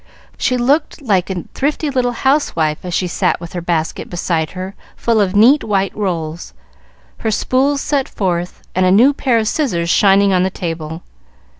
She looked like a thrifty little housewife as she sat with her basket beside her full of neat white rolls, her spools set forth, and a new pair of scissors shining on the table.